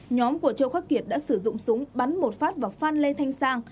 nhóm của châu khắc kiệt đã sử dụng súng bắn một phát và phan lên thanh sang